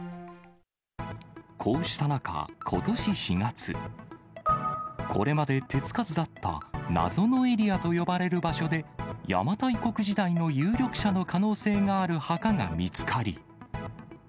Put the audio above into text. こうした中、ことし４月、これまで手付かずだった謎のエリアと呼ばれる場所で、邪馬台国時代の有力者の可能性がある墓が見つかり。